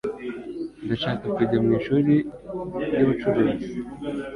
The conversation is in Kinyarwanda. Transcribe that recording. Ndashaka kujya mwishuri ryubucuruzi.